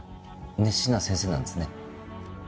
熱心な先生なんですね。